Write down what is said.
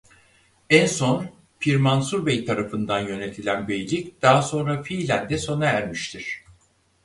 En son Pir Mansur Bey tarafından yönetilen beylik daha sonra fiilen de sona ermiştir.